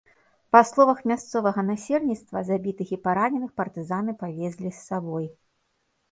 Па словах мясцовага насельніцтва забітых і параненых партызаны павезлі з сабой.